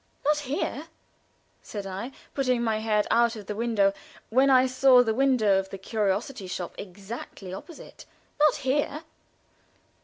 "Not here!" said I, putting my head out of the window when I saw the window of the curiosity shop exactly opposite. "Not here!"